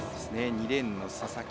２レーンの佐々木。